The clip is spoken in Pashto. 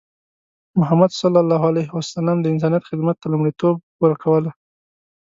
محمد صلى الله عليه وسلم د انسانیت خدمت ته لومړیتوب ورکوله.